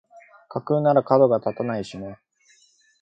架空ならかどが立たないしね